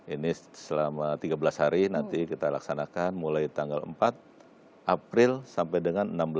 ini selama tiga belas hari nanti kita laksanakan mulai tanggal empat april sampai dengan enam belas april dua ribu dua puluh empat